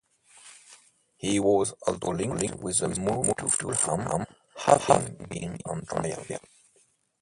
He was also linked with a move to Fulham, having been on trial.